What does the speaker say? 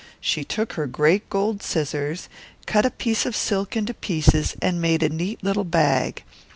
She took her large gold scissors, cut a piece of silk into squares, and made a neat little bag.